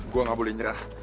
gue nggak boleh nyerah